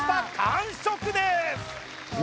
完食でーす！